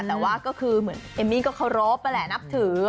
แต่ว่าก็คือเหมือนเอมมี่ก็เคารพนั่นแหละนับถือ